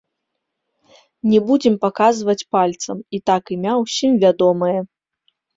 Не будзем паказваць пальцам, і так імя ўсім вядомае.